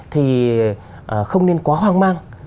thì không nên quá hoang mang